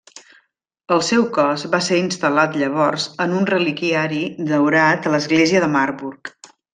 El seu cos va ser instal·lat llavors en un reliquiari daurat a l'església de Marburg.